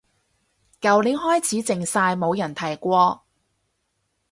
舊年開始靜晒冇人提過